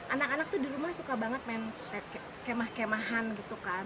anak anak tuh di rumah suka banget main kemah kemahan gitu kan